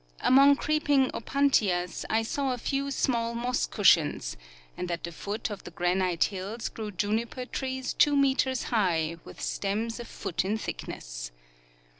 Among creeping opuntias I saw a few small moss cushions, and at the foot of the granite hills grew juniper trees two meters high with stems a foot in thickness.